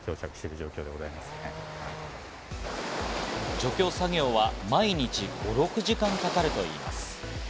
除去作業は毎日５６時間かかるといいます。